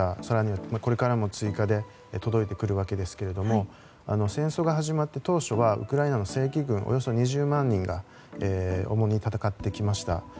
更にこれからも追加で届いてくるわけですけど戦争が始まって当初はウクライナの正規軍およそ２０万人が主に戦ってきました。